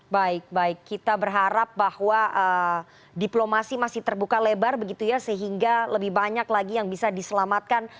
baik baik kita berharap bahwa diplomasi masih terbuka lebar begitu ya sehingga lebih banyak lagi yang bisa diselamatkan